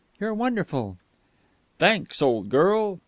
You're wonderful!" "Thanks, old girl.